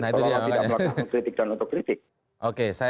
kalau tidak melakukan kritik dan otokritik